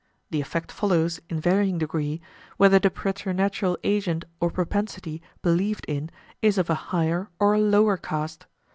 The effect follows, in varying degree, whether the preternatural agent or propensity believed in is of a higher or a lower cast.